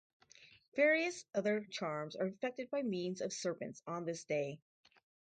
Various other charms are effected by means of serpents on this day.